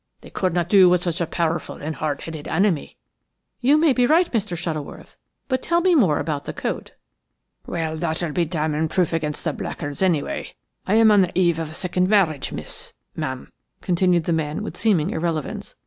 They could not do with such a powerful and hard headed enemy." "You may be right, Mr. Shuttleworth, but tell me more about the coat." "Well, that'll be damning proof against the blackguards, anyway. I am on the eve of a second marriage, miss–ma'am," continued the man with seeming irrelevance.